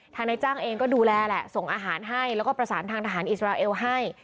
นายจ้างเองก็ดูแลแหละส่งอาหารให้แล้วก็ประสานทางทหารอิสราเอลให้